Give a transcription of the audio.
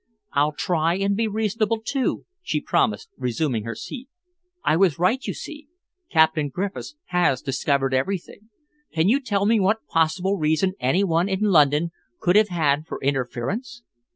"I'll try and be reasonable too," she promised, resuming her seat. "I was right, you see. Captain Griffiths has discovered everything. Can you tell me what possible reason any one in London could have had for interference?"